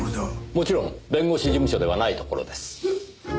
もちろん弁護士事務所ではない所です。